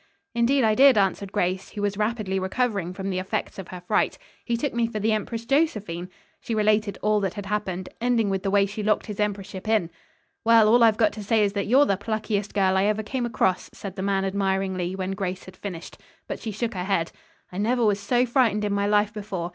"Indeed I did," answered Grace, who was rapidly recovering from the effects of her fright. "He took me for the Empress Josephine." She related all that had happened, ending with the way she locked his emperorship in. "Well, all I've got to say is that you're the pluckiest girl I ever came across," said the man admiringly, when Grace had finished. But she shook her head. "I never was so frightened in my life before.